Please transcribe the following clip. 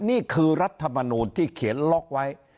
นี่คือรัฐมนูลที่เขียนล็อกไว้